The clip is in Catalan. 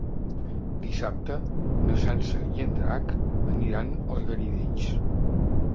Dissabte na Sança i en Drac aniran als Garidells.